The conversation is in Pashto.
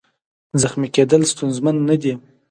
زخمي کېدل ستونزمن نه دي.